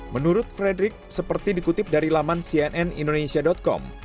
menurut frederick seperti dikutip dari laman cnnindonesia com